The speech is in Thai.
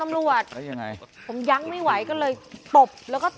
โชว์มือ